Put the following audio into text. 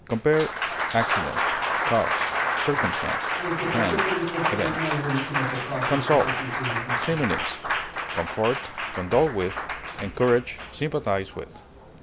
Compare ACCIDENT; CAUSE; CIRCUMSTANCE; END; EVENT. CONSOLE. Synonyms: comfort, condole with, encourage, sympathize with.